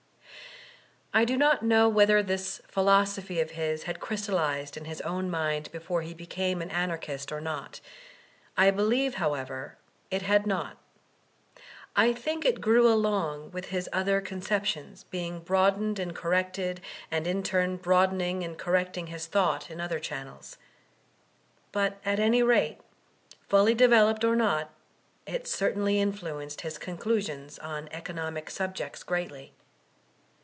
I do not know whether this philosophy of his had crystallized in his own mind before he became an An archist or not I believe, however, it had not; I think it grew along with his other conceptions, being broadened and corrected, and in turn broadening and correcting his thought in other channels. But at any rate, fully developed or not, it certainly influenced his conclusions on economic subjects greatly.